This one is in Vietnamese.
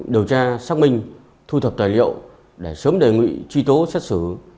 điều tra xác minh thu thập tài liệu để sớm đề nghị truy tố xét xử